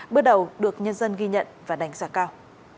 bước đầu được nhân dân ghi nhận và đánh giá cao